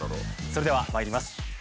それではまいります。